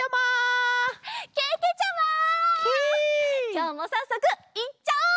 きょうもさっそくいっちゃおう！